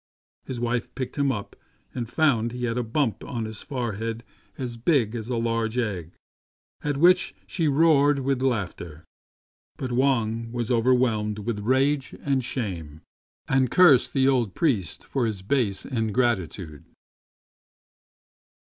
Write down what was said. His wife picked him up and found he had a bump on his fore head as big as a large egg, at which she roared with laughter; but Wang was overwhelmed with rage and shame, and cursed the old priest for his base ingrati tude.